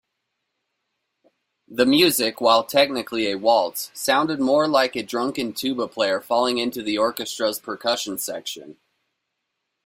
The music, while technically a waltz, sounded more like a drunken tuba player falling into the orchestra's percussion section.